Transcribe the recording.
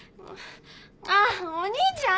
あっお兄ちゃん！